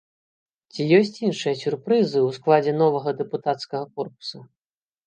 Ці ёсць іншыя сюрпрызы ў складзе новага дэпутацкага корпуса?